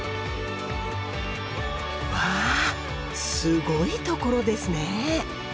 わぁすごいところですね。